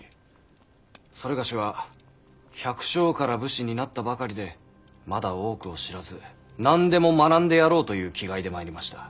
しかし某は百姓から武士になったばかりでまだ多くを知らず何でも学んでやろうという気概で参りました。